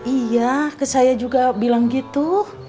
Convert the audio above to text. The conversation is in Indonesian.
iya saya juga bilang gitu